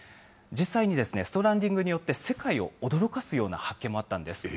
実際にですね、ストランディングによって、世界を驚かすような発見もあったんです。